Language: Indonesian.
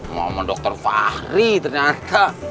mama dokter fahri ternyata